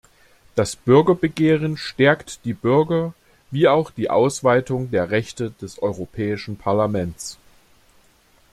Das Bürgerbegehren stärkt die Bürger wie auch die Ausweitung der Rechte des Europäischen Parlaments.